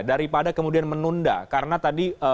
daripada kemudian menunda karena tadi